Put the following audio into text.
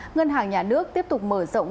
ngân hàng nhà nước tiếp tục mở rộng